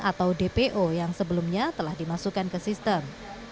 atau dpo yang sebelumnya telah dimasukkan ke sistem